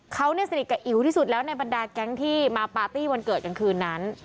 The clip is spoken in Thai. เขาสนิทกับอิ๋วที่สุดแล้วในบรรดาแก๊งที่มาปาร์ตี้วันเกิดกลางคืนนั้น